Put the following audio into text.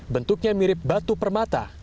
bentuknya mirip batu permata